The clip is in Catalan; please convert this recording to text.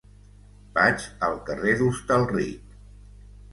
Vaig al carrer d'Hostalric.